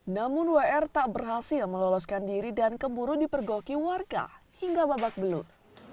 namun w r tak berhasil meloloskan diri dan kemuru dipergoki warga hingga babak belur